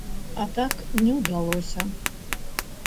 А так не ўдалося.